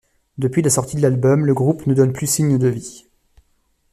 Depuis la sortie de l'album, le groupe ne donne plus signe de vie.